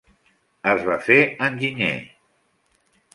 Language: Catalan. Es va fer enginyer.